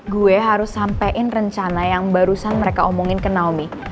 gue harus sampein rencana yang barusan mereka omongin ke naomi